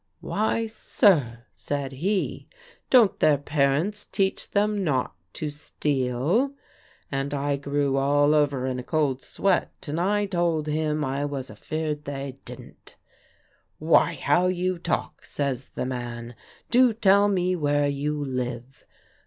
'Why, sir,' said he, 'don't their parents teach them not to steal?' And I grew all over in a cold sweat, and I told him 'I was afeard they didn't.' 'Why, how you talk!' says the man; 'do tell me where you live?'